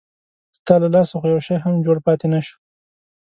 ستا له لاسه خو یو شی هم جوړ پاتې نه شو.